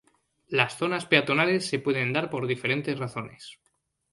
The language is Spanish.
Las zonas peatonales se pueden dar por diferentes razones.